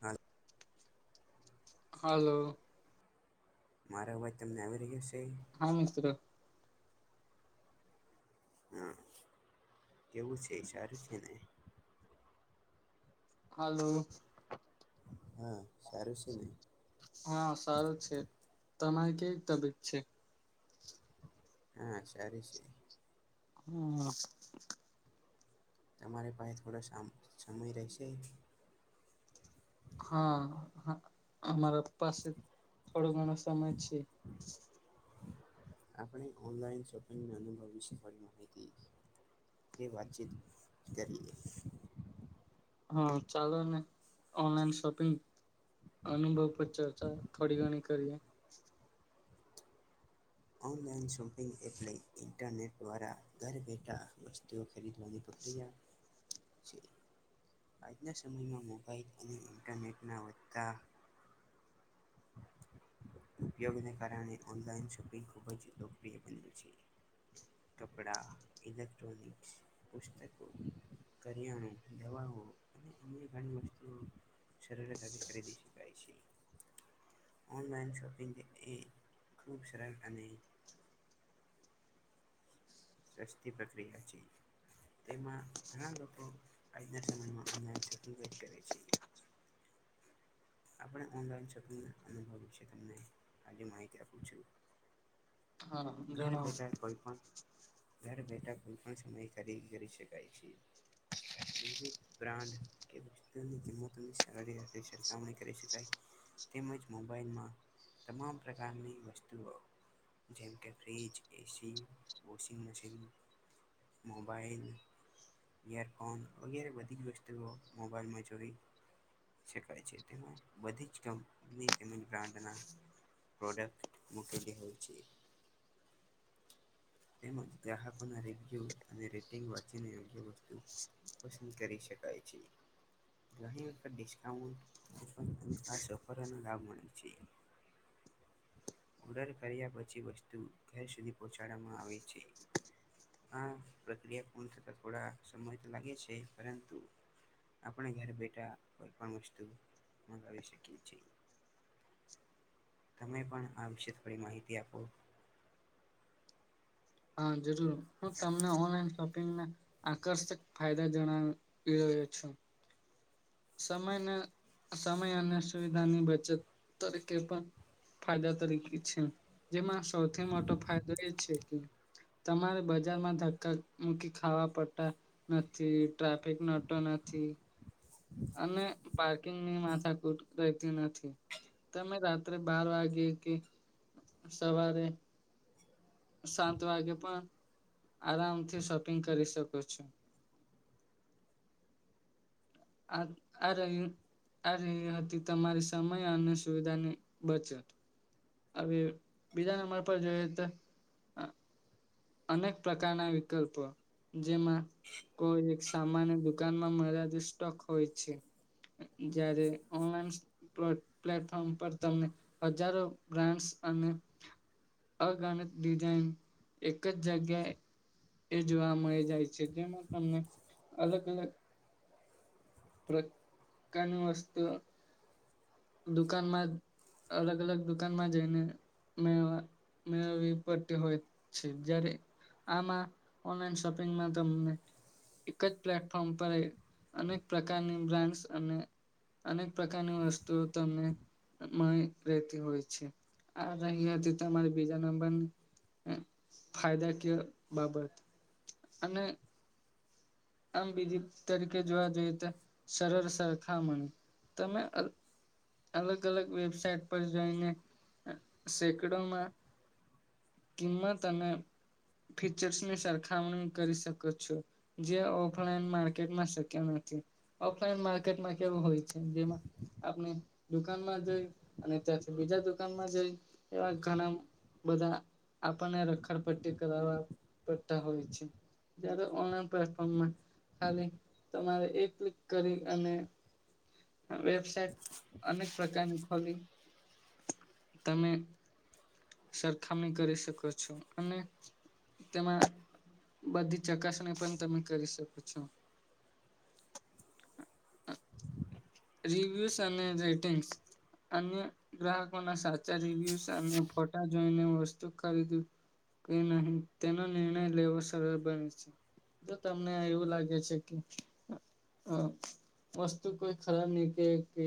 હા, હલો! મારો અવાજ તમને આવી રહ્યો શે. હા, મિત્ર હા, કેવું છે સારું છે ને હાલો હા સારું શે ને? હા, સારું છે તમારી કેવીક તબીયત છે? હા, સારી છે. હમ્મ તમારે પાહે થોડો સામ સમય રેહેશે? હા, હ અમારા પાસે થોડો ઘણો સમય છે. આપણે ઓનલાઈન શોપિંગના અનુભવ વિશે થોડી માહિતી તે વાતચીત કરીએ. હા, ચાલો ને ઓનલાઈન શોપિંગ અનુભવ પર ચર્ચા થોડી ઘણી કરીએ. ઓનલાઈન શોપિંગ એટલે ઇન્ટરનેટ દ્વારા ઘર બેઠા વસ ખરીદવાની પ્રક્રિયા છે, આજના સમયમાં મોબાઈલ અને ઇન્ટરનેટના વધતા ઉપયોગને કારણે ઓનલાઈન શો તે ખૂબ જ લોકપ્રિય બન્યું છે. કપડા, ઇલેક્ટ્રોનિક્સ, પુસ્તકો, કરિયાણા, દવાઓ અને અન્ય ઘણી વસ્તુઓ સરળતાથી ખરીદી શકાય છે. ઓનલાઈન શોપિંગ એ ખૂબ સરળ અને સસ્તી પ્રક્રિયા છે. તેમાં ઘણા લોકો આજના સમયમાં ઓનલાઈન શોપિંગ જ કરે છે. આપણે ઓનલાઈન શોપિંગ અનુભવ વિશે તમને આજે માહિતી આપુ છું. હા ઘરે જણાવો બેઠા કોઈ પણ ઘર બેઠા કોઈ પણ સમયે ખરીદી કરી શકાય છે, વિવિધ બ્રાન્ડ કે પછી તેની કિંમતોની સરળતાથી સરખામણી કરી શકાય. તેમ જ મોબાઈલમાં તમામ પ્રકારની વસ્તુઓ જેમ કે fridge AC washing machine, mobile earphone વગેરે બધી જ વસ્તુઓ મોબાઈલમાં જોઈ શકાય છે, તેમાં બધી જ કંપની તેમ જ બ્રાન્ડના પ્રોડક્ટ મુુકેલી હોય છે. તેમ જ ગ્રાહકોના રિવ્યૂ અને રેટિંગ વાંચીને યોગ્ય વસ્તુ પસંદ કરી શકાય છે. ઘણી વખત ડિસ્કાઉન્ટ અને ખાસ ઓફરોનો લાભ મળે છે. ઓર્ડર કર્યા પછી વસ્તુ ઘેર સુધી પહોંચાડવામાં આ [unintelligible] છે. આ પ્રક્રિયા પૂર્ણ થતા થોડા સમય તો લાગે છે, પરંતુ આપણે ઘરે બેઠા કોઈ પણ વસ્તુ મંગાવી શકીએ છીએ. તમે પણ આ વિશે થોડી માહિતી આપો હા જરૂર હું તમને ઓનલાઈન શોપ- - આકર્ષક ફાયદા જણાવી રહ્યો છ- - સમયને સમય અને સુવિધાની બચત તરીકે પણ- - ફાયદા તરીકે છે જેમાં સૌથી મોટો ફાયદો એ છે કે- - તમારે બજારમાં ધક્કા મૂકી ખાવા પડતા. નથી ટ્રાફિક નડતો નથી. અને પાર્કિંગ ની માથા કુટ રહેતી નથી. તમે રાત્રે બાર વાગે કે સવારે સાત વાગે પણ આરામથી શોપિંગ કરી શકો છો. આરે આ રી હતી તમારી સમય અને સુવિધાની બચત હવે બીજા નંબર પર જોઈ તો અનેક પ્રકારના વિકલ્પો જેમાં કોઈ એક સામાન્ય દુકાનમાં મળ્યા તો સ્ટોક હોય છે. જ્યારે ઓનલાઈન પ્લેટફોર્મ પર તમને હજારો બ્રાન્ડ અને અગણિત ડિજાઈન એક જ જગ્યા એ જોવા મળી જાય છે. જેમાં તમને અલગ અલગ પ્રકારની વસ્તુ દુકાનમાં અલગ અલગ દુકાનમાં જઈને મેવા મેળવી પી હોય છે જયારે આમાં ઓનલાઈન શોપિંગમાં તમને એક જ પ્લેટફોર્મ પર અનેક પ્રકારની બ્રાન્ડ અને અનેક પ્રકારની વસ્તુઓ તમને મળી રહેેતી હોય છે. આ રહી હતી તમારી બીજા નંબર ની ફાયદાકીય બાબત અને આમ બીજી તરીકે જોવા જોઈએ તો સરળ સરખામણી તમે અલગ અલગ વેબસાાઈટ પર જોઈને સેકડોમાં કિંમત અને ફીચર્સ ની સરખામણી કરી શકો છો. જે ઓફલાઈન માર્કેટમાં શક્ય નથી ઓફલાઈન માર્કેટમાં કેવું હોય જેમાં આપણે દુકાનમાં જઈ અને ત્યાંથી બીજા દુકાનમાં જઈ એવા ઘણા બધા આપણને રખડ પટ્ટી કરાવ પડતા હોય છે. જ્યારે ઓનલાઈન પરફોર્મમાં ખાલી તમારે એ ક્લિક કરી અને વેબસાટ અનેક પ્રકારની ખોલી તમે સરખામણી કરી શકો છો અને તેમાં બધી ચકાસણી પણ તમે કરી શકો છો. રિવ્યુસ અને રેટિંગ્સ અન્ય ગ્રાહકોના સાચા રિવ્ય સામે ફોટા જોઈ ને વસ્ત ચકારીું કે નહી તેનો નિર્ણય લેવો સરળ બને છે. તો તમને એવું લાગે છે કે વસ્તુ કોઈ ખરાબ નીકળ કે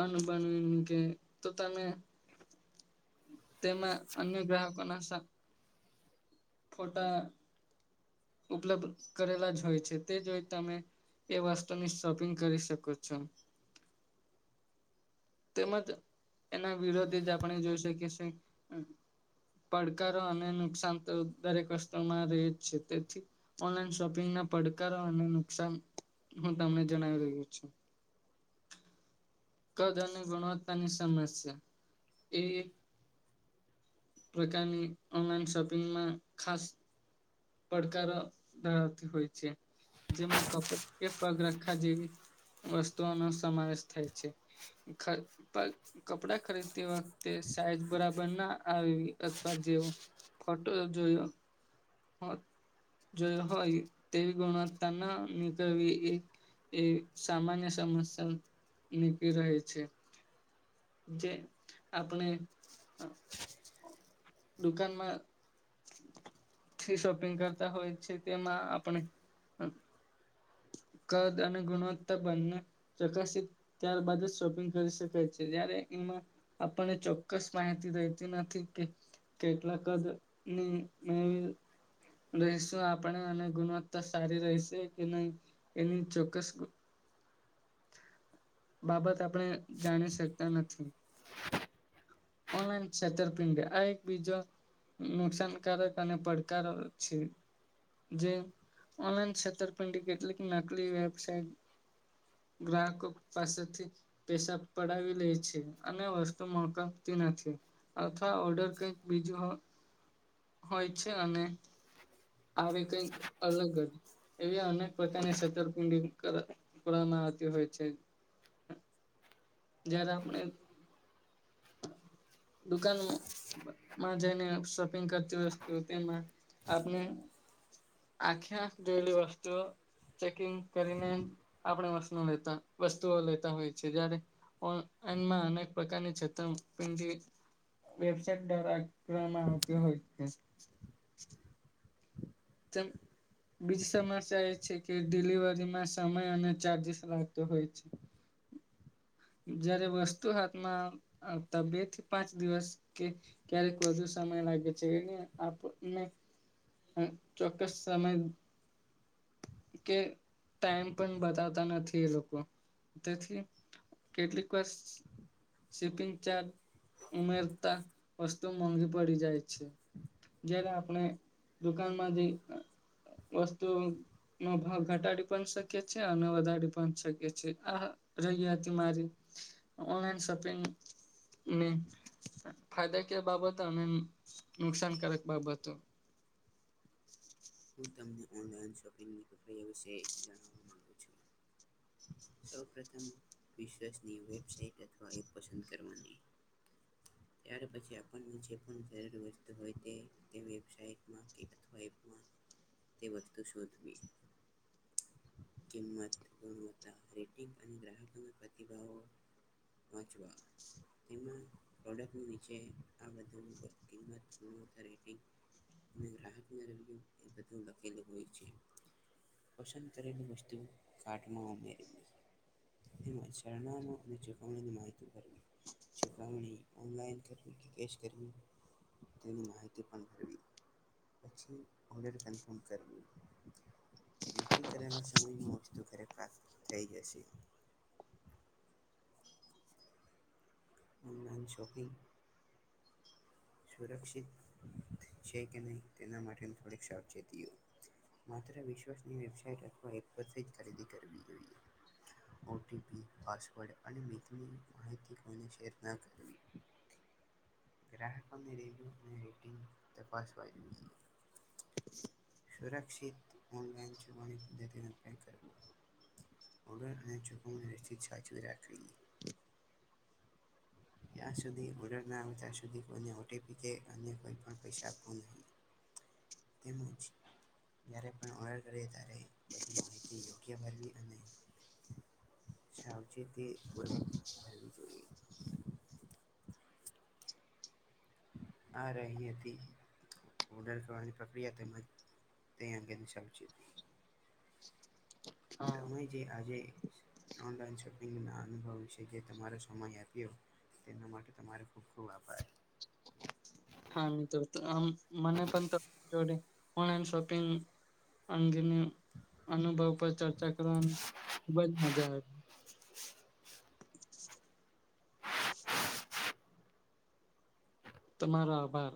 અન્ન બ ની કે તો તમે તેમાં અન્ય ગ્રાહકો ના ફોટા ઉપલબ્ધ કરેલા જ હોય છે તે જોઈ તમે એ વસ્તુની શોપિંગ કરી શકો છો. તેમજ એના વિરોધે જ આપણે જોઈ શકીશી પડકારો અને નુકસાન તો દરેક વસ્ત્રમાં રહે જ છે તેથી ઓનલાન શોપિંગ ના પડકારો અને નુકસાન હું તમને જણાવી રહ્યો છું. કદ અને ગુણવત્તાની સમસ્યા એ પ્રકારની ઓનલાઈન સોપિંગમાં ખાસ પડકાર ધણતી હોય છે. જેમાં કપડા કે પગરખા જેવી વસ્તુઓનો સમાવેશ થાય છે. ઘર પર કપડાં ખરીદતી વખતે સાઈઝ બરાબર ના આવી અથવા જેવ. ફોટો જોયો જો હોય તેવી ગુણવત્તાના નીકળવી એક એ સામાન્ય સમસ્યા નીકળી રહેહી છે. જે આપણે દુકાનમા જે શોપિંગ કરતા હોય છે, તેમાં આપણે કદ અને ગુણવત્તા બંને પ્રકાશિત ત્યારબાદ જ શોપિંગ કરી શકાય છે જ્યારે એમા આપણને ચોક્કસ માહિતી રહેતી, નથી કે કેટલાક જ ની મેવી રહીશું આપણે અને ગુણવત્તા સારી રહીશે કે નહી એની ચોક્કસ બાબત આપણે જાણી શકતા નથી. ઓનલાઈન છેતરપિડ આ એક બીજો નુકસાનકારક અને પડકારો છે. જે ઓનલાઈન કષેપિડી કેટલીક નકલી વેબટ ગ્રાહક પાસેથી પેસા પડાવી લે છે, અને વસ્તુ મોક નથી અથવા ઓર્ડર કઈક બીજુ હોય છે, અને આવે કઈક અલગ જ એવી અનેક પ્રકારની છતરપિડી કરવામાં આવતી હોય છે. જદ આપણે દુકાનમા મા જઈને, શોપિંગ કરતી વસ્તુ તેમાં આપણે આખી આંખ જોયેલી, વસ્તુઓ ચેકિગ કરીને આપણે વ લેતા વસ્તુઓ લેતા હોય છે, જયારે ઓનલાઈનમાં અનેક પ્રકારની પ વેબસાઇટ દ્વારા, ક્રમ આવતી હોય છે. તેમમ બીજી સમસ્યા એ છે, કે ડિલિવરીમાં સમય અને ચાર્જસ લાગતો હોય છે. જયારે વસ્તુ હાથમાં આવતા બે થી પાંચ દિવસ કે ક્યારેક વધુ સમય લાગે છે, એને હ ચોક્કસ સમય કે ટાઈમ પણ બતાતા નથી એ લોકો તેથી કેટલીક વર્ષ શિપિંગ ચારજ ઉમેરતા વસ્તુ મોંઘી પડી જાય છે. જયારે આપણે દુકાનમાંથી વસ્તુ નો ભાવ ઘટાડી પણ શકે છે, અને વધારી પણ શકે છે આ રહી હતી મારી ઓનલાઈન શોપિંગ ફાયદા કે બાબત અને નુકસાનકારક બાબત હું તમને ઓનલાઈન શોપિંગની પ્રક્રિયા વિશે જાણવા માગુ છુ. સૌ પ્ર્રથમ વિશસની વેબસાઇટ અથવા એ પસંદ કરવાની ત્યાર પછી આપણ મુછે, પણ જરૂર વસ્તુ હોય તે તે વેબસાઇટમાં કે અથવા એપમા તે વસ્તુ શોધવી કિંમત ગુણવત્તા રેટિંગ અને ગ્રાહકોના પ્રતિભાવો વાંચવા તેમા પ્રોડક્ટ નીચે આ બધ કિંમતણ રટ અને ગ્રાહકને રવિ એ બધું લખેલું હોય છે પસંદ કરેલી વસ્તુ કાટમાં ઉમેરી તેમ શરણમો અને ચૂકવણીની માહિતી કરવી ચુકાવણી ઓનલાઇન કરવી કે કેશ કરવી તેની માહિતી પણ મેળવી પછી ઓડર કન્ફર્મ કર લએએ નક્કી કરેલા સમય વસ્તુ ઘરે પ્રાપ્ત થઈ જશે ઓનલાઇન શોપિંગ સુરક્ષિત છે કે નહીં તેના માટે થોડીક સાવચેતીઓ માત્ર વિશ્વસની વેબસઇટ રાખવા એકપરથી જ ખરીદી કરવી જોઈએ ઓ ટી પી પાસવર્ડ અને મેકની માહિત કોને શેર ન કર ગ્રાહક નિ રપ અને રેટીિંગ તપાસ આવી છે સુરક્ષિત ઓનલાઈન જવાણી પદ્ધતિનો અપ્યાાય કરવી ઓડ અને જકોમાં નિશ્ચિત સાચવી રાખવી જ્યાં સુધી ઓર્ડર ના આવે ત્યાં સુધી કોઈને ઓટીપી કે અને કોઈ પૈસા આપ ન તેમજ જ પણ ઓર્ડર કર અ બધી માહિતીયો ભરવી અને સાવચે તે ભરવી જોઈએ આ રનીથી ઉડણ કરવાની પ્રક્રિયા તેમજ તે અંગે દ સાચ હા તમે જે આજે ઓનલાઈન શોપિંગના અનુભવ વિશે જે તમારો સમય આપ્યો તેના માટે તમારે ખૂબ ખુબ આભાર હા મ તો મને પણ જોડે ઓનલાઈન શોપિંગ અંગેની અનુભવ પર ચર્ચા કરવાની ખુબજ મજા આવે તમારો આભાર